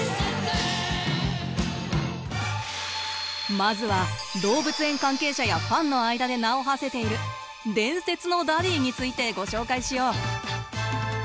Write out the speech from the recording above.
まずは動物園関係者やファンの間で名をはせている伝説のダディについてご紹介しよう。